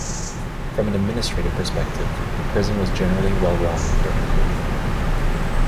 From an administrative perspective, the prison was generally well run during the period.